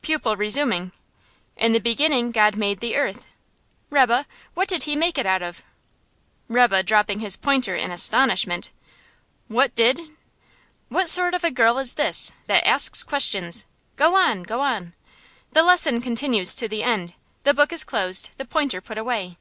Pupil, resuming: "In the beginning God made the earth. Rebbe, what did He make it out of?" Rebbe, dropping his pointer in astonishment: "What did ? What sort of a girl is this, that asks questions? Go on, go on!" The lesson continues to the end. The book is closed, the pointer put away.